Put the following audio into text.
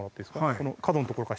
この角の所から。